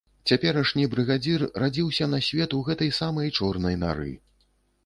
Цяперашні брыгадзір радзіўся на свет у гэтай самай чорнай нары.